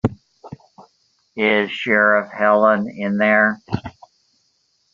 Is Sheriff Helen in there?